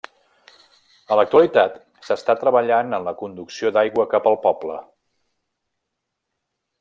En l'actualitat s'està treballant en la conducció d'aigua cap al poble.